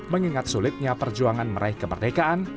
mengingat sulitnya perjuangan meraih kemerdekaan